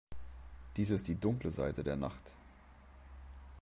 Dies ist die dunkle Seite der Nacht.